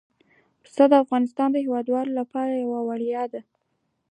پسه د افغانستان د هیوادوالو لپاره یو ویاړ دی.